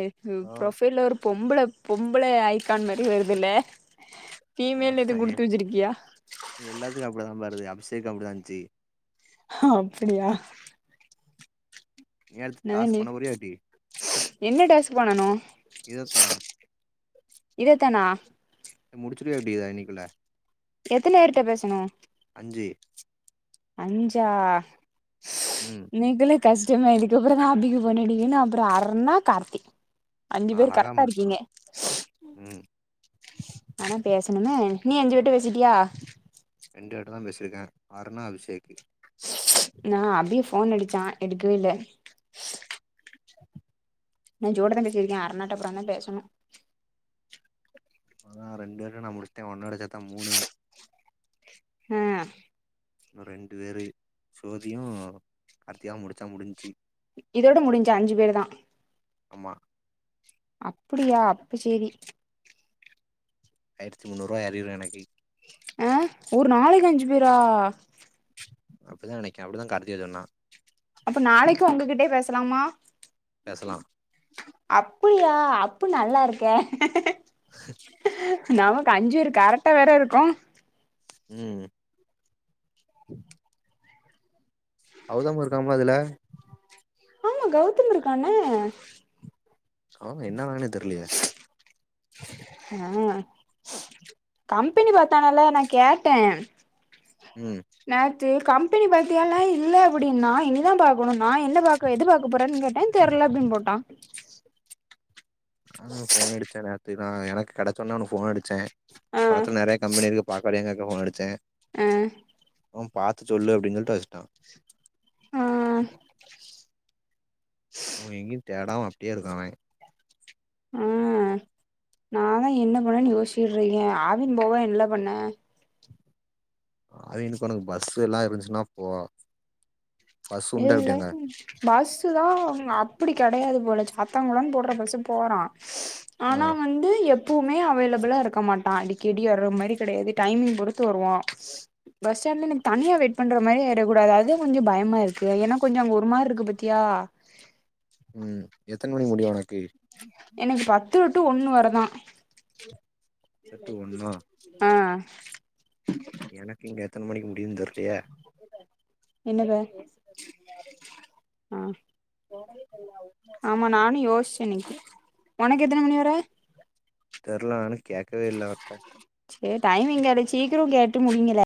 எ ஃபு ஹலோ ப்ரொஃபைல்ல ஒரு பொம்பளை பொம்பளை ஐய்க்கான் மாரி வருதுல்ல ஓ ஃபீமேல்னு எதும் எ குடுத்து வச்சிருக்கியா எல்லாத்துக்கு அப்டிதாப்பா வருது அபிஷேக் அப்டிதான்ந்துச்சு அப்டியா நேரத்துக்கு என்னதா டாஸ் நீ பண்ண ஒரே அடி என்ன டாஸ்க் பண்ணணு இதத்தா இதத்தானா முடிச்சுருவயா எப்டி இன்னைக்குல எத்தன பேர்ட்ட பேசனு அஞ்சு அஞ்சா ம் இன்னைக்குளு கஷ்டமே இதுக்கப்புற தா அப்பிக்கு போனடிக்கன்னனு அப்புற அரன்னா கார்த்தி அஞ்சு பேர் அழகா கரெக்டா முடிச்சிடலா இருக்கீங்க ம் ஆனா பேசணுமே நீ அஞ்சிபேர்ட்ட பேசிட்டியா ரெண்டு பேர்ட்டதா பேசியிருக்கே அருணா அபிஷேக் நா அபிய ஃபோன் அடிச்சா எடுக்கவேல்ல நா ஜோ தா பேசியிருக்க அருணாட்ட அப்றோதா பேசணு நா ரெண்டு பேருட்ட நா முடிச்சிட்டே ஒன்னோட சேத்த மூணு ஆ இன்னு ரெண்டு பேரு சோதியு கார்த்திகாவு முடிச்சா முடிஞ்சச்சு இதோடு முடிஞ்ச அஞ்சு பேர் தா ஆமா அப்டியா அப்ப சேரி ஆயிரத்து முன்னூறுவா ஏறிரு எனக்கு அ ஒரு நாளைக்கு அஞ்சு பேரா அப்டிதா நெனக்கற அப்டிதா கார்திகா சொன்னா அப்ப நாளைக்கு உங்ககிட்டேயே பேசலாமா பேசலா அப்பியா அப்ப நல்லா இருக்கே [inaudible] நமக்கு அஞ்சு பேரு கரெக்டா வேற இருக்கோ ம் கௌதமு இருகாமாலே இதுல ஆமா கௌதம் இருக்கானே காணோ என்ன ஆனானே தெரியல ஆ கம்பெனி பாத்தானால நா கேட்டே ம் நேத்து கம்பெனி பாத்தியால இல்ல அப்டின்னா இனி தா பாக்கணுனா என்ன பா க்க எது பாக்க போறன் கேட்டே தெர்ல அப்டின் போட்டா நானு ஃபோன் அடிச்சே நேத்து தா எனக்கு கெடச்சோன்ன அவனுக்கு ஃபோன்னடிச்சே ஆ பாத்தா நறையா கம்பெனி இருக்கு பாக்க வரியான்கேக்க ஃபோன் அடிச்சே ஆ அவே பாத்து சொல்லு அப்டின் சொல்ட்டு வச்ட்டா ஆ உ எங்கியு தேடாம அப்டியே இருக்கா அவே நா லா என்ன பண்ணேன் யோச்சுக்கிட்ருக்கே ஆவின் போவ இல்ல பண்ண ஆவினுக்கு ஒனக்கு பஸ் எல்லா இருந்துச்சுன்னா போ பஸ் உண்டா இல்ல எப்டி அங்க பஸ்ஸு தா அப்டி கெடயாது போல சாத்தங்குளங் போட்ற பஸ்ஸு போறா ஆ ஆனா வந்து எப் போமே அவைலபிளா இருக்க மாட்டா அடிக்கடி வர்ற மாரி கெடயாது டைமிங் பொருத்து வருவா பஸ் ஸாடாண்ட்ல எனக்கு தனியா வெயிட் பண்ற மாரி ஆய்றக்கூடாதுஅதா கொஞ்சோ பயமாரு க்கு ஏனா கொஞ்சோ அங்க ஒரு மார்ருக்கு பாத்தியா ம் எத்தன மணிக் முடியு ஒனக்கு எனக்கு பத்து டூ ஒன்னு வரதா எட்டு டு ஒன்னா ஆ எனக்கு இங்க எத்தன மணிக்கு முடியிதுன் தெர்லயே என்னது ஆ ஆமா நானு யோசிச்சே இன்னக்கி ஒனக்கு எத்தன மணி வர தெர்ல நானு கேக்கவே இல்ல அவர்ட்ட சேர் டைமிங் கேளு சீக்ரோ கேட்டு முடிங்கள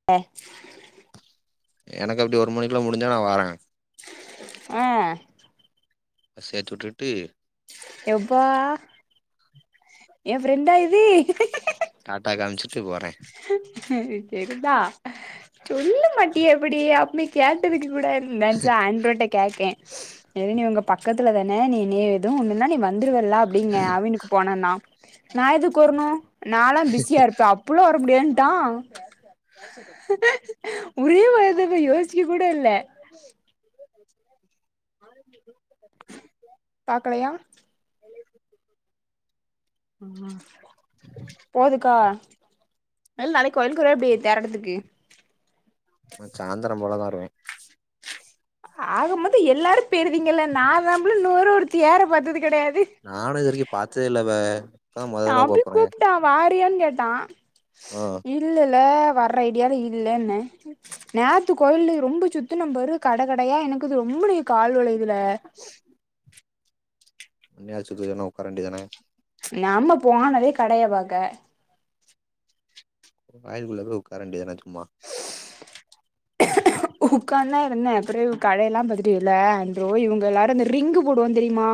எனக்கு அப்டி ஒரு மணிக்கக்குள்ள முடிஞ்ச நா வாரே ஆ சேத்துட்டுட்டு எப்பா எ ஃப்ரெண்டா இதி டாட்டா காம்ச்சிட்டு போறே செரிதா சொல்ல மாட்டியே இப்டி அமை கேட்டதுக்கு கூடாது நென்ச்சே அன்ட்ருட்ட கேக்கே நெவினு ஒங்க பக்கத்துல தான நீனு எது ஒண்ணுனாநீ வ வந்துருவல அப்டின்னே அவனுக்கு போனானா நா எதுக்கு வர்ணு நாலா பிஸியாருப்பே அ ப்புலா வர முடியாதுன்ட்டா ஒரே வாய்தாப்பா யோசிக்க கூட இல்ல [inaudible] பாக்கலையா ம் போதுக்கா இல் நாளைக்கு வங்குறையா எப்டி தேரோட்டத்துக்கு நா சாய்ந்தரோ போலதா வருவே ஆக மொத்தோ எல்லாரு பேய்ருதீங்கல்ல நா தான்ம்ப்ல நூறொரு தேர பாத்தது கெடயாது நானு இதுரைக்கு பாத்ததே இல்லப தம்பி கூப்ட்டா வாரியன் கேட்டா ஆ இல்லலெல்ல வர்ற ஐடியால இல்லன்னே நேத்து கோயில்ல ரொம்ப சுத்தனேம் பாரு கட கடயா எனக்கு இது ரொம்ப நே கால்வளைதுல மண்ணி ஆச்சுதுன்னு ஒக்கார வேண்டிதான நம்ம போனதே கடைய பாக்க கோயிலுக்குள்ள போய் உக்கார வேண்டிய தான சும்மா உக்காந்தா இருந்த அப்புறோ கடையெல்லா பாத்துட்டு இல்ல அ ப்ரோ இவங்க எல்லாரும் இந்த ரிங்கு போடுவோ தெரிமா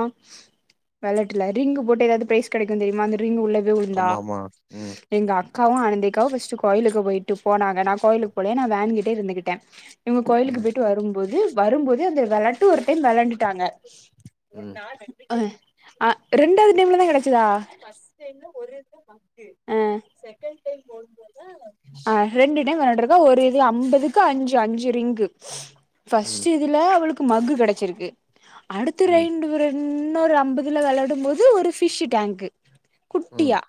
வெளாட்டுல ரிங்க்கு போட்டு ஏதாது ப்ரைஸ் கெடைக்கு தெரிமா அந்த ரிங் உள்ள போய் உழுந்தா ஆமா ஆமா ம் எங்க அக்காவு அனந்தி அக்காவு ஃபஸ்ட்டு கோயிலுக்கு போய்ட்டு போனாங்க நா கோயிலுக்கு போலயா நா வேன்கிட்டயே இருந்துகிட்ட இவங்க கோயிலுக்கு ம் போய்ட்டு வரும்போது வரும்போதே அந்த வெளாட்டு ஒரு டைம் வெளாண்டுட்டாங்க ம் ஆ ரெண்டாவது டைம்ல தா கெடச்சதா அ ஆ ரெண்டு டைம் வெளாண்ருக்கா ஒரு இது அம்பதுக்கு அஞ்சு அஞ்சு ரிங்கு ம் பஸ்ட்டு இதுல அவளுக்கு மக்கு கெடச்சிருக்கு அடுத்த ம் ரெண்டு விர இன்னொரு அம்பதுல வெளாடும் போது ஒரு பிஷ்சு டங்க்கு ம் குட்டியா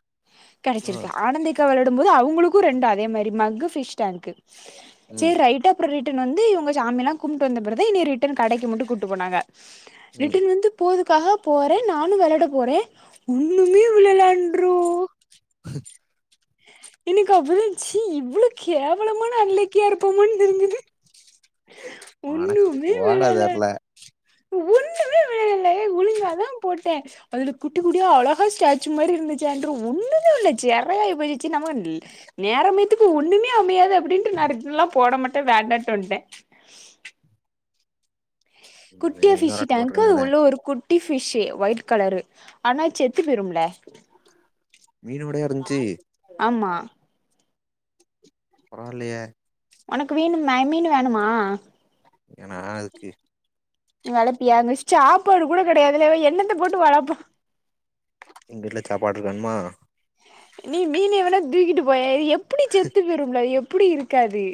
ஆ கடச்சிருக்கு ஆனந்தி க்கா விளாடும் போது அவங்களுக்கு ரெண்டு அதே மாரி மக்கு பிஷ் டங்க்கு ம் சரி ரைட்டு அப்றோ ரிட் டன் வந்து இவங்க சாமியலா கும்ட்டு வந்த பிறதா என்னிய ரிட்டன் கடைக்கி மட்டு கூப்பட்டு போனாங்க ம் ரிட்டன் வந்து போதுக்காக போற நானு வெளாட போற ஒன்னுமே விளாண் [inaudible] எனக்கு அப்ப த ச்சி இவ்வளோ கவலமான அன்லக்கியா இருப்போமன் தெரிஞ்சது உனக்கு ஒண்ணுமே போட விழ தெர்ல ஒண்ணுமே விழலயே ஒழுங்காதா போட்ட அதில குட்டி குட்டியா அழகா ஸ்டாச்சு மாரி இருந்துச்சு அன்று ஒன்னுமே இல்ல சரயாயி போச்சி சி நம்ம நேரமயத்துக்கு ஒண்ணுமே அமையாது அப்டின்ட்டு நா ரிட்டன்ல்லா போட மாட்ட வேண்டான்ட்டுவன்ட குட்டியா ஃபிஷ் இன்னொரு ஆட்ட போட்டுற டங்க்கு அது வேண்டியதான உள்ள ஒரு குட் டி ஃபிஷ்சு ஒய்ட் கலரு ஆனா செத்து போயிரும்ல மீனோடயா இருந்துச்சு ஆம்மா பரவால்லய ஒனக்கு வேணுமா மீனு வணுமா ஏ நா எதுக்கு நீ வளப்பியா இந்த சாப்பாடு கூட கடையாதுல்ல எண்ணத்த போட்டு வளப்பா எங்க வீட்ல சாப்பாடு வேணுமா நீ மீன வேனா தூக்கிட்டு போய எப்படி செத்து போய்ரும்பல எப்படி இருக்காது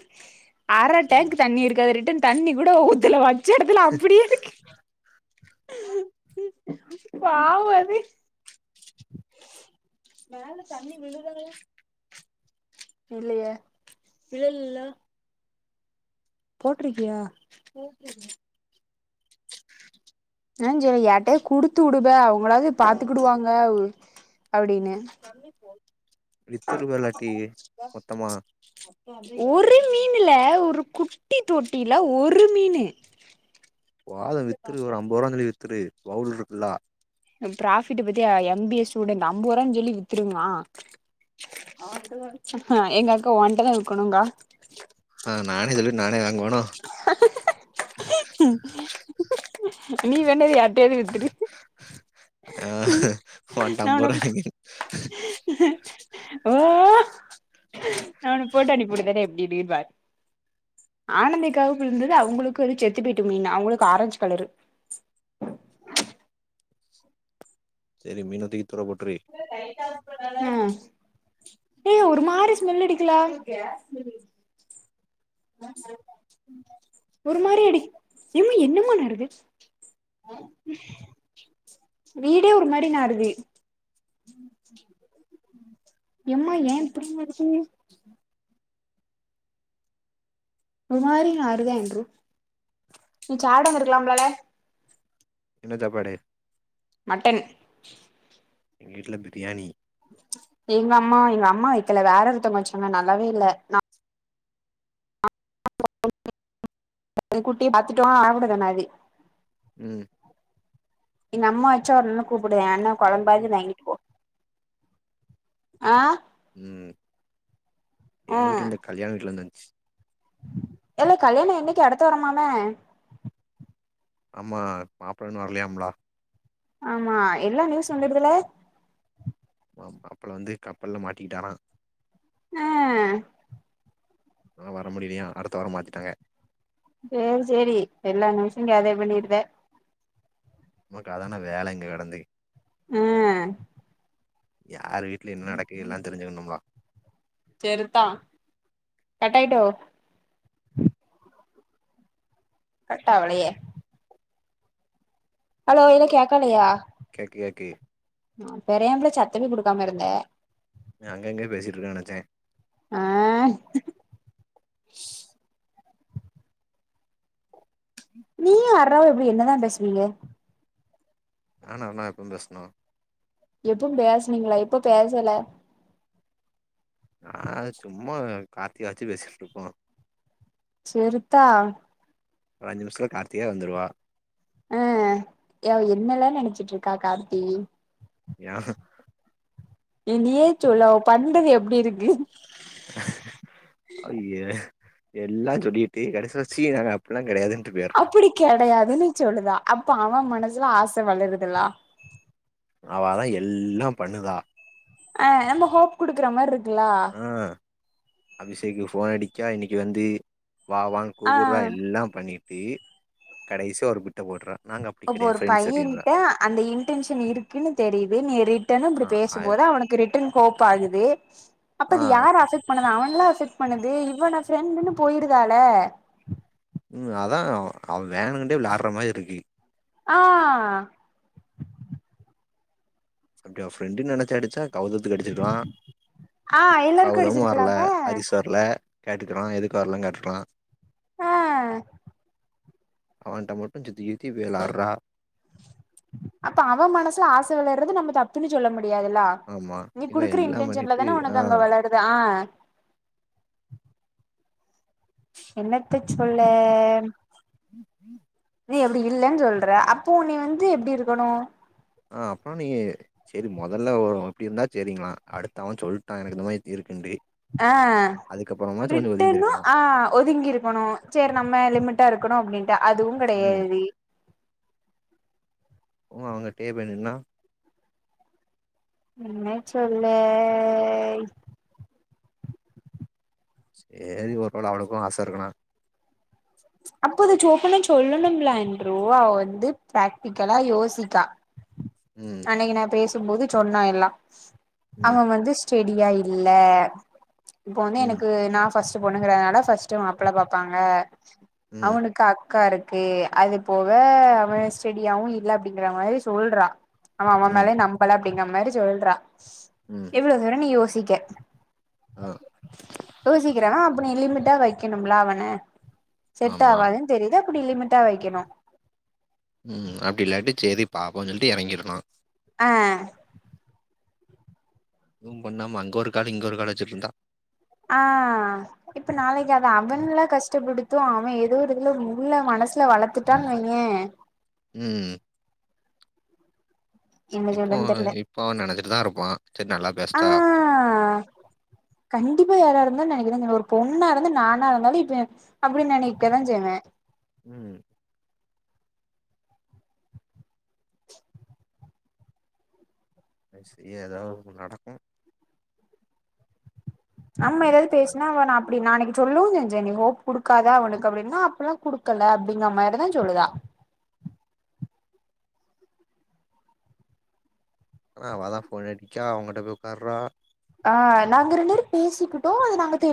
அர டங்க் தண்ணி இருக்கு அது ரிட்டன் தண்ணி கூட ஊத்துல வச்ச எடத்துல அப்டியே இருக்கு பாவோ அது [inaudible] மேல தண்ணி விழுதா இல்லய விழலல்லா போட்ருக்கியா [inaudible] ஆ சரி யார்ட்டயாது குடுத்து உடுப அவங்களாவது பாத்துக்கிடுவாங்க அப்டின்ன வித்துருவ இல்லாட்டி மொத்தமா ஒரு மீனுல ஒரு குட்டி தொட்டில ஒரு மீனு போது வித்துரு ஒரு அம்போரூவான் சொல்லி வித்ரு பவுல் இருக்குல்லா ப்ராபிட் பத்தி எம்பிஎஸ் ஸ்டூடெண்ட் ஐம்பது ரூபா சொல்லி வி்த்துருவா ஹ எங்க அக்கா ஒன்ட்ட தான் விக்கனுங்கா ஆ நானே சொல்ட்டு நானே வாங்குவேனா நீ தான யார்ட்டயாது வித்துடு ஆ உன்ட்ட நா ஒன்ன ஐம்பது ரூபா வாங்கி ஓ நா உனக்கு போட்டோ அனுப்பி விடுக்கதே எப்டிபி பார் ஆனந்திக்காவுக்கு இருந்தது அவங்களுக்கு வந்து செத்துப்பேய்ட்டு மீன் அவங்களுக்கு ஆரஞ்ச் கலரு சரி மீனதூக்கி தூர போட்ரு [unintelligible] ஆஹ் ஒரு மாறி ஸ்மெல் அடிக்கல ஒரு மாதிரி அடி என்ன என்னமா நடக்குது வீடே ஒரு மாடி நாடுது [inaudible] என்ம்மா ஏன் இப்புடி இருக்கு ஒரு மாரி நாறுதான் என்று நீ சாப்டாம இருக்கலாம்லால என்ன சாப்பாடு மட்டன் எங்க வீட்ல பிரியாணி எங்க அம்மா எங்க அம்மா வக்கல வேற ஒருத்தங்க வச்சாங்க நல்லாவே இல்ல குட்டிய பாத்துக்கலா ஆவுட தென்னாதி ம் எங்க அம்மா வச்சா ஒரு நாளு கூப்டுவே அண்ண ஆ கொழம்பாது வாங்கிட் ஆ ம் எங்களுக்கு இந்த கல்யாண வீட்லருந்து வந்ச்சு ஏல கல்யாண என்னைக்கு அடுத்து வரமாமே ஆமா மாப்ள இன்னு வரலயாம்ல ஆமா எல்லா நியூஸ் வந்துடுதுல ஓ மாப்ள வந்து கப்பல்ல மாட்டிக்கிட்டானா ஆ னா வர முடிலயா அடுத்த வார மாத்திட்டாங்க சேர் செரி எல்லா நியூசு கேதர் பண்ணிடுவ நமக்கு அதானா வேல இங்க கெடந்து ஆ யார் வீட்ல என்ன நடக்கு எல்லா தெரிஞ்சுக்கணுமா செருத்தா கட்டாயிட்டோ கட்டாவலயே ஹலோ எது கேக்கலயா கேக்கு கேக்கு ஆ பெரகு ஏம்ல சத்தமே குடுக்காம இருந்த நீ அங்க எங்கையோ பேசிட்டுருக்கே நெனச்சே ஆ நீயும் அர்றாவு அப்டி என்னதா பேசுவீங்க நானும் அர்ணாவு எப்ப பேசுனோ எப்ப பேசுனீங்ளா இப்ப பேசல நான் சும்மா கார்த்திகாச்சு பேசிட்டு இருப்போ செரித்தா ஒரு அஞ்சி நிமிசத்துல கார்த்தியே வந்துருவா ஆ அவ என்னல்ல நெனைச்சிட்டு இருக்கா கார்த்தி யா நீ நீ ஏ சொல்லு அவ பண்றது எப்டி இருக்கு ஐய எல்லா சொல்லிட்டு கடைசில ச்சி நாங்க அப்டில்லா கிடையாதுன் அப்படி கிடையாதுன்னு சொல்லுதா அப்ப அவன் மனசுல ஆச வளருதுலா அவதா எல்லா பண்ணுதா ஆ நம்ம ஹோப் குடுக்குற மார் இருக்குலா ஆ அபிஷேக்கு போன் அடிக்கா இன்னைக்கு வந்து வா வாங் ஆ கூபுறா எல்லா பண்ணிட்டு கடைசியா ஒரு பிட்ட போடுறா அப்ப ஒரு பையன் கிட்ட அந்த இன்டென்ஷன் இருக்குன்னு தெரிது நீ ரிட்டன்னு ஆ அது பேசும்போது அவனுக்கு ரிட்டர்ன் ஹோப் ஆகுது அப்ப ஆ அது யார் அஃபட் பண்ணுது அவன்ல அஃபட் பண்ணுது இவ நா ஃப்ரெண்டு்ன்னு போயிருதால ம் அதா அவ வேணுங்கிட்டே விளையாடுற மாதிரி இருக்கு ஆ அப்படி அவ ஃப்ரெண்டு நெனச்சி அடிச்சா கவுதத்துக்கு அடிச்சிற்கலா ஆ எல்லாருக்கு கவுதமு வரல அடிச்சிருக்கலாம ஹரி சார் ல கேட்டுக்குறோ எதுக்கு வரலன் கேட்டுக்கிறலா ஆ அவன்ட மட்டு சுத்தி சுத்தி போய் வெளாட்ற அப்ப அவன் மனசுல ஆச வளரது நம்ம தப்புன்னு சொல்ல முடியாதுல்லா ஆமா நீ இவ குடுக்குற எல்லா இன்டென்ஷன்ல பண்ணிட்டு தான ஆ உனக்கு அங்க வளருது ஆ என்னத்த சொல்ல நீ அப்டி இல்லன் சொல்ற அப்போ நீ வந்து எப்டி இருக்கணு ஆ அப்புற நீ செரி மொதல்ல ஒரு எப்டி இருந்தா செரிங்ளா அடுத்த அவன் சொல்ட்டான் எனக்கு இந்த மாதிரி இருக்குன்ட்டு ஆ அதுக்கப்புறமாச்சு கொஞ்சோ ஒதுங்கி திட்டணு இருக்கலா ஆ ஒதுங்கி இருக்கணு செரி நம்ம லிமிட்டா இருக்கணு அப்டின்ட்டு அதுவு ம் கெடையாது ஓ அவங்க டேபுல் நின்னா என்ன சொல்ல சேரி ஒரு வேள அவளுக்கு ஆச இருக்கணா அப்போ அது சோப்பனு சொல்லணும்ல அன்ட்ரோ அவ வந்து பிராக்டிகலா யோசிக்கா ம் அன்னைக்கு நா பேசும்போது சொன்னா எல்லா ம் அவன் வந்து ஸ்டேடியா இல்ல இப்ப வந்து ம் எனக்கு நா ஃபர்ஸ்ட் பொண்ணுங்கறனால ஃபர்ஸ்ட்டு மாப்புள பாப்பாங்க ம் அவனுக் அக்கா இருக்கு அது போக அவன் ஸ்டெடியாவு இல்ல அப்டிங்கற மாரி சொல்றா அவன் அவன் ம் மேலே நம்பல அப்டிங்கற மாரி சொல்றா ம் எவ்ளோ தூர நீ யோசிக்க ஆ யோசிக்கறவ அப்ப நீ லிமிட்டா வைக்கணும்ல அவன செட் ஆமா ஆவாதுன்னு தெரிது அப்ப நீ லிமிட்டா வைக்கணு ம் அப்படி இல்லாட்டி செரி பாப்போ சொல்ட்டு இறங்கியிருக்கனு அ எதுவும் பண்ணாம அங்கொரு காலு இங்கொரு காலு வெச்சிட்ருந்தா. ஆ இப்ப நாளைக்கு அத அவன்ல்ல கஷ்டப்படுத்து அவ எதோ ஒரு இதுல மு உள்ள மனசுல வளத்துட்டான் வெய்யே ம். என்ன இப்போ சொல்லதுன் தெர்ல இப்போ அவ நெனச்சிட்டு தா இருப்பா சேரி நல்லா ஆ. பேசுதா கண்டிப்பா யாரா இருந்தால் நெனைக்கதா செய்வ ஒரு பொண்ணா இருந்து நானா இருந்தாலு இப்ப அப்பிடி நெனைக்கதா செய்வே. ம். அ செ எதா ஒன்னு நடக்கு. அம்மா என்ன எதாவது பண்ண. பேசுனா அவன அப் அப்டி நா அன்னிக்கு சொல்லுவு செஞ்சே நீ ஹோப் குடுக்காதா அவளுக்கு அப்டின்னா அப்பில்லா குடுக்கல அப்டிங்க மாரிதா சொல்லுதா. ஆனா அவ தா ஃபோன் அடிக்கா அவகிட்ட போய் உக்கார்றா. ஆ நாங்க ரெண்டு பேரு பேசிக்கிட்டோ அது நாங்க தெ